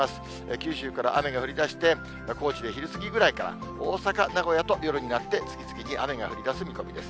九州から雨が降りだして、高知で昼過ぎぐらいから、大阪、名古屋と、夜になって次々に雨が降りだす見込みです。